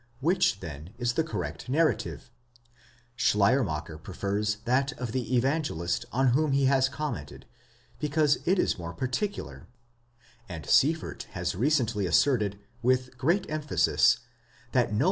Which then is the correct narrative? Schleiermacher prefers that of the Evangelist on whom he has commented, because it is more: particular ὃ; and Sieffert? has recently asserted with great emphasis, that no.